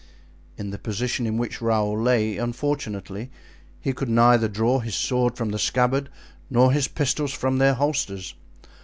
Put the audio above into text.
In the position in which Raoul lay, unfortunately, he could neither draw his sword from the scabbard, nor his pistols from their holsters.